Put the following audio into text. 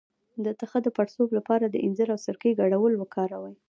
د تخه د پړسوب لپاره د انځر او سرکې ګډول وکاروئ